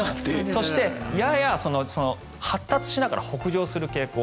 そして、やや発達しながら北上する傾向